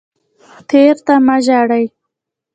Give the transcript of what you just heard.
تیر ته مه ژاړئ